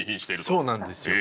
そうなんですよ。